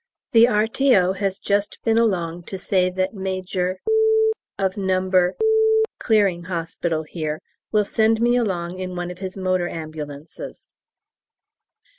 The R.T.O. has just been along to say that Major of No. Clearing Hospital here will send me along in one of his motor ambulances.